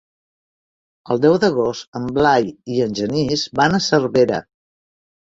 El deu d'agost en Blai i en Genís van a Cervera.